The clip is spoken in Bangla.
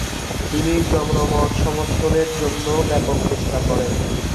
তিনি জনমত সমর্থনের জন্যও ব্যাপক চেষ্টা করেন।